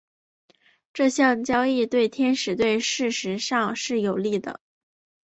这项交易对天使队事实上是有利的。